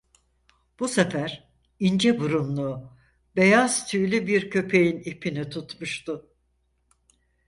Bu sefer ince burunlu, beyaz tüylü bir köpeğin ipini tutmuştu.